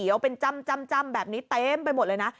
เป็นแผลที่เหลียวเป็นจ้ำแบบนี้เต็มไปหมดเลยนะ